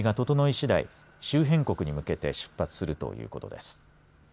しだい周辺国に向けて出発するということです。